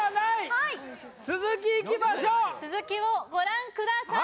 はい続きいきましょう続きをご覧ください